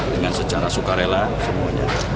dengan secara sukarela semuanya